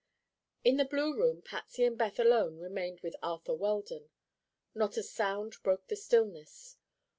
In the blue room Patsy and Beth alone remained with Arthur Weldon. Not a sound broke the stillness.